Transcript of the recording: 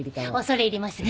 恐れ入ります。